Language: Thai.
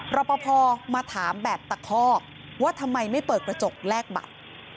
รอปภมาถามแบบตะคอกว่าทำไมไม่เปิดกระจกแลกบัตร